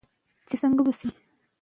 د پښتو ژبې کلتور زموږ د بقا نښه ده.